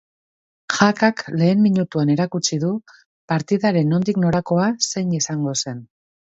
Jakak lehen minutuan erakutsi du partidaren nondik norakoa zein izango zen.